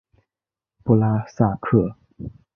布拉萨克。